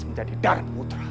menjadi dharma putra